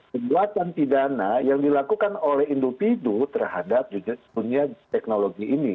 perbuatan pidana yang dilakukan oleh individu terhadap dunia teknologi ini